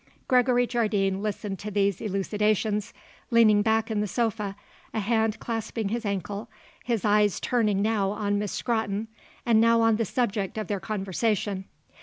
Gregory Jardine listened to these elucidations, leaning back in the sofa, a hand clasping his ankle, his eyes turning now on Miss Scrotton and now on the subject of their conversation.